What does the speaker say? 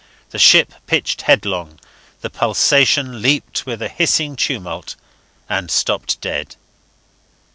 The ship pitched headlong, the pulsation leaped with a hissing tumult, and stopped dead.